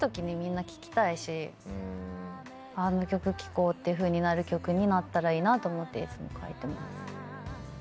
「あの曲聴こう」っていうふうになる曲になったらいいなと思っていつも書いてます。